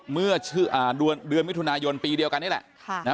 เมื่อเดือนมิถุนายนปีเดียวกันนี่แหละ